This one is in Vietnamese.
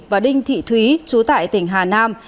và đinh thị thúy chú tại tỉnh hà nam